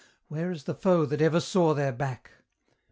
Where is the foe that ever saw their back?